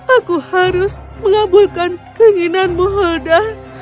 aku harus mengabulkan keinginanmu helda